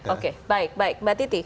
oke baik baik mbak titi